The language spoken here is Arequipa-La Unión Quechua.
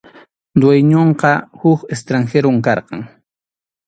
Dueñonqa huk extranjerom karqan.